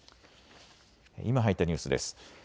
今入ったニュースです。